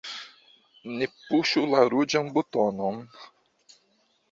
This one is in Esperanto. Ne puŝu la ruĝan butonon!